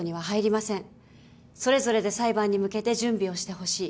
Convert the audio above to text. それぞれで裁判に向けて準備をしてほしい。